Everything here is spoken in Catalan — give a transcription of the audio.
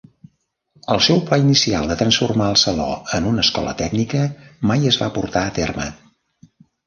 El seu pla inicial de transformar el saló en una escola tècnica mai es va portar a terme.